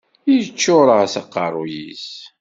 Yeččur-as aqerruy-is.